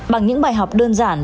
bằng những bài học đơn giản